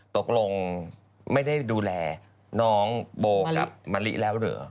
ตกลงไม่ได้ดูแลน้องโบกับมะลิแล้วเหรอ